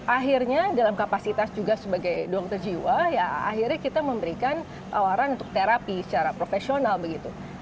akhirnya dalam kapasitas juga sebagai dokter jiwa ya akhirnya kita memberikan tawaran untuk terapi secara profesional begitu